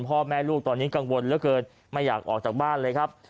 พ่อแม่ลูกตอนนี้กังวลเหลือเกินไม่อยากออกจากบ้านเลยครับ